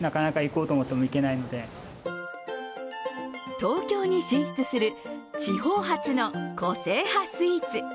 東京に進出する、地方発の個性派スイーツ。